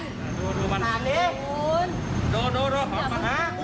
ดูมันขอบคุณละครับดูขอบคุณ